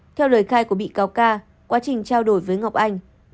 theo lời khai của bị cáo ca quá trình trao đổi với ngọc anh